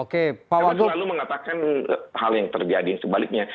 karena selalu mengatakan hal yang terjadi dan sebaliknya